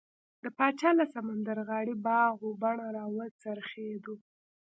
د پاچا له سمندرغاړې باغ و بڼه راوڅرخېدو.